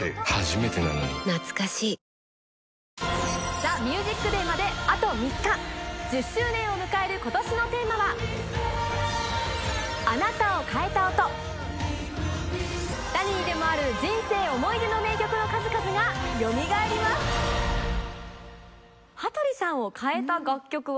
『ＴＨＥＭＵＳＩＣＤＡＹ』まであと３日１０周年を迎える今年のテーマは誰にでもある人生思い出の名曲の数々がよみがえります羽鳥さんを変えた楽曲は？